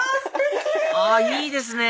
あいいですね